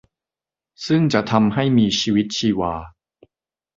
ซึ่งจะทำให้มีชีวิตชีวา